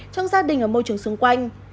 trong gia đình và môi trường xung quanh